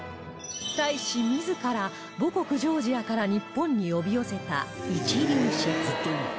大使自ら母国ジョージアから日本に呼び寄せた一流シェフ